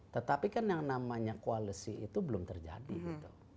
tetapi kan yang namanya koalisi itu belum terjadi gitu